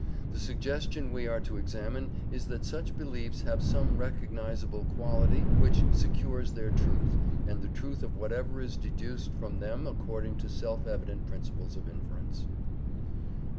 The suggestion we are to examine is that such: beliefs have some recognizable quality which secures their truth, and the truth of whatever is deduced from them according to self evident principles of inference.